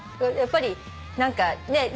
やっぱり何かね。